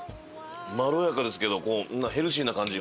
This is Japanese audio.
まろやかですけどヘルシーな感じ